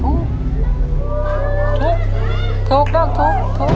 ซึ่งเป็นคำตอบที่๓๒๒๓๔